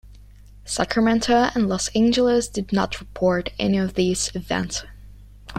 Sacramento and Los Angeles did not report any of these events.